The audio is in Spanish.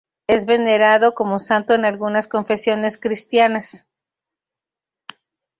Es venerado como santo en algunas confesiones cristianas.